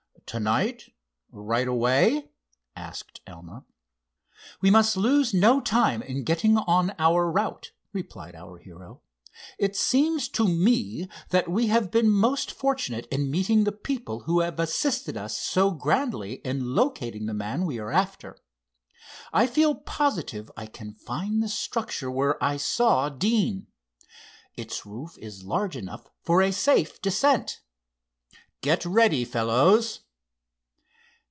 "To night; right away?" asked Elmer. "We must lose no time getting on our route," replied our hero. "It seems to me that we have been most fortunate in meeting the people who have assisted us so grandly in locating the man we are after. I feel positive I can find the structure where I saw Deane. Its roof is large enough for a safe descent. Get ready, fellows."